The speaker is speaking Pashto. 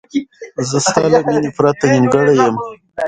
زه ستا له مینې پرته نیمګړی یم.